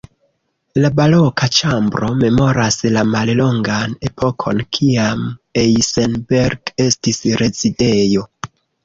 La Baroka ĉambro memoras la mallongan epokon kiam Eisenberg estis rezidejo.